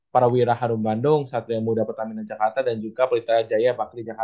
para wira harum bandung satria muda pertamina jakarta dan juga pelita jaya pak di jakarta